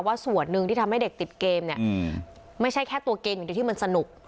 ว่าส่วนหนึ่งที่ทำให้เด็กติดเกมไม่ใช่แค่ตัวเกมอยู่ที่มันสนุก